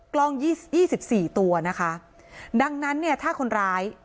กล้องยี่ยี่สิบสี่ตัวนะคะดังนั้นเนี่ยถ้าคนร้าย